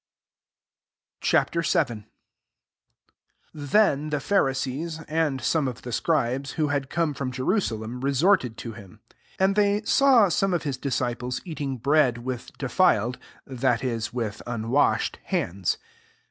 Ch. VII. 1 THEN the Phari sees, and some of the scribes, who had come from Jerusalem, resorted to him. 2 And they saw some of his disciples eatinf; bread with defiled (that is, witk unwashed) hands.